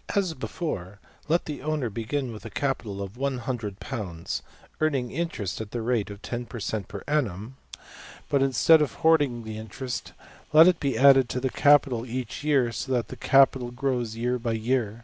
} As before, let the owner \Pagelabel{erratum0}% begin with a capital of~£$100$, earning interest at the rate of $10$~per~cent.\ per~annum; but, instead of hoarding the interest, let it be added to the capital each year, so that the capital grows year by year.